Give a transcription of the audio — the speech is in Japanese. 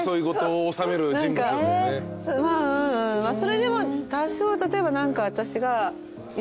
まあそれでも多少例えば何か。